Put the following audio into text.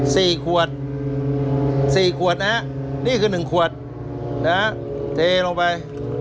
สี่ขวดสี่ขวดนะฮะนี่คือหนึ่งขวดนะฮะเทลงไป